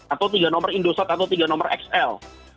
atau tiga nomor indosat atau tiga nomor xl